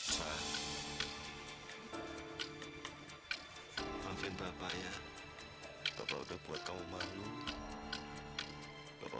sampai jumpa di video selanjutnya